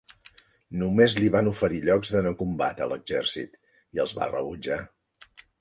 Només li van oferir llocs de no combat a l'exèrcit, i els va rebutjar.